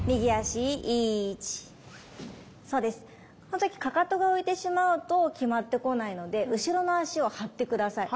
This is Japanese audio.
この時かかとが浮いてしまうと極まってこないので後ろの足を張って下さい。